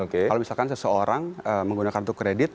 kalau misalkan seseorang menggunakan kartu kredit